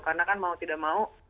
karena kan mau tidak mau